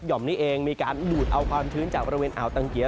่อมนี้เองมีการดูดเอาความชื้นจากบริเวณอ่าวตังเกียร์